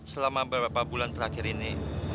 selama beberapa bulan terakhir ini